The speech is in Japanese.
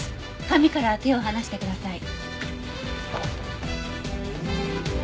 紙から手を離してください。